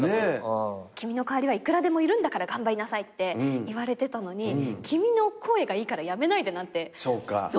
「君の代わりはいくらでもいるんだから頑張りなさい」って言われてたのに「君の声がいいから辞めないで」なんて。